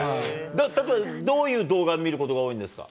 例えばどういう動画見ることが多いんですか？